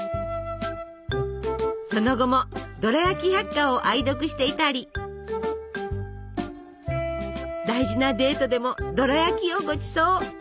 その後も「ドラヤキ百科」を愛読していたり大事なデートでもドラやきをごちそう。